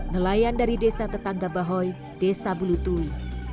nelayan dari desa tetangga bahoy desa bulutui